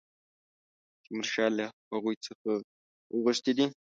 تیمورشاه له هغوی څخه غوښتي دي.